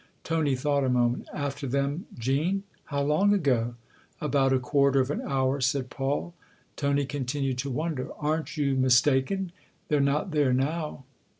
Tony thought a moment. "' After them ' Jean ? How long ago ?"" About a quarter of an hour," said Paul. Tony continued to wonder. " Aren't you mis taken ? They're not there now."